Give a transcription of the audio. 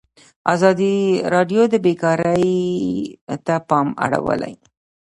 ازادي راډیو د بیکاري ته پام اړولی.